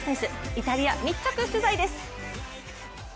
イタリア密着取材です。